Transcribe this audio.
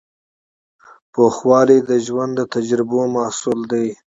پوخوالی د ژوند د تجربو محصول دی.